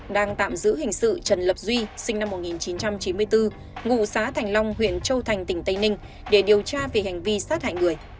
duy sinh năm một nghìn chín trăm chín mươi bốn ngụ xá thành long huyện châu thành tỉnh tây ninh để điều tra về hành vi sát hại người